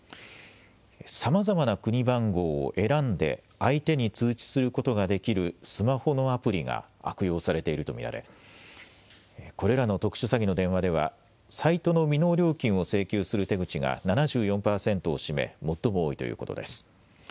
さまざまな国番号を選んで相手に通知することができるスマホのアプリが悪用されていると見られこれらの特殊詐欺の電話ではサイトの未納料金を請求する手口が７４％を占め最も多いということです。